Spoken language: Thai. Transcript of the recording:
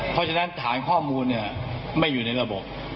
เพราะฉะนั้นฐานข้อมูลไม่อยู่ในระบบ